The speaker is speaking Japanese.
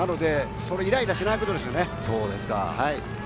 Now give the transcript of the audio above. なので、イライラしないことですね。